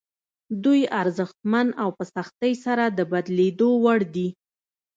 دوی ارزښتمن او په سختۍ سره د بدلېدو وړ دي.